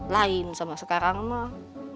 lain sama sekarang mah